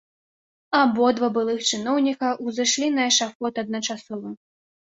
Абодва былых чыноўніка узышлі на эшафот адначасова.